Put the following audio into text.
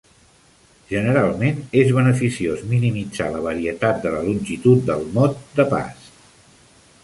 Generalment és beneficiós minimitzar la varietat de la longitud del mot de pas.